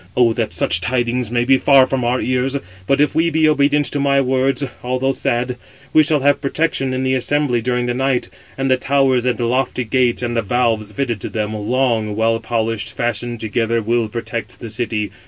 O that such [tidings] may be far from our ears. 586 But if we be obedient to my words, although sad, we shall have protection 587 in the assembly during the night, and the towers and lofty gates, and the valves fitted to them, long, well polished, fastened together, will protect the city.